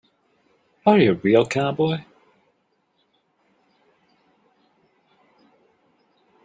Are you a real cowboy?